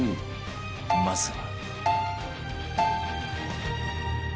まずは